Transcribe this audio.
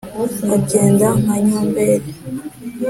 agenda nka nyomberi